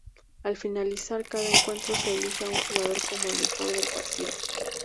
Al finalizar cada encuentro se elige a un jugador como el mejor del partido.